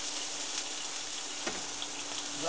「うわ！」